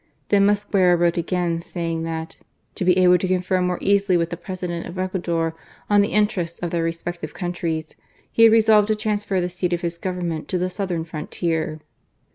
Then Mosquera wrote again saying that " to be able to confer more easily with the President of Ecuador on the interests of their respective countries, he had resolved to transfer the seat of his government to the southern frontier."